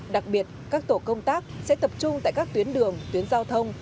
đặc biệt các tổ công tác sẽ tập trung tại các tuyến đường tuyến giao thông